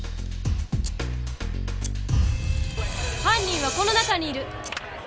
犯人はこの中にいる！